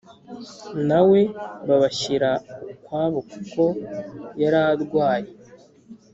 na we babashyira ukwabo kuko yararwaye